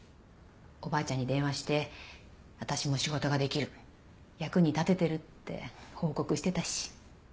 おばあちゃんに電話して「私も仕事ができる役に立ててる」って報告してたし。